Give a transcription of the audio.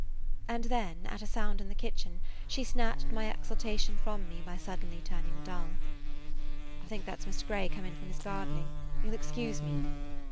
And then, at a sound in the kitchen, she snatched my exaltation from me by suddenly turning dull. "I think that 's Mr. Grey come in from his gardening. You 'll excuse me."